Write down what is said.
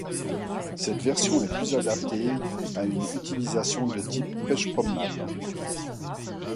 Cette version est plus adaptée à une utilisation de type pêche-promenade.